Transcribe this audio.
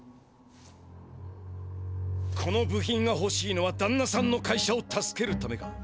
この部品がほしいのはだんなさんの会社を助けるためか？